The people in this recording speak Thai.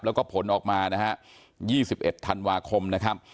แล้วก็ผลออกมานะฮะ๒๑ธันวาคมนะครับ